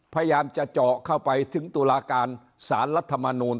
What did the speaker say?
พยายามจะเจาะเข้าไปถึงตุลาการสารรัฐมนูล